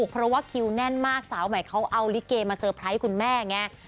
เพราะว่าคิวแน่นมากสาวใหม่เขาเอาลิเกมาเตอร์ไพรส์คุณแม่ไง